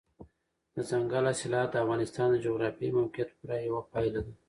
دځنګل حاصلات د افغانستان د جغرافیایي موقیعت پوره یوه پایله ده.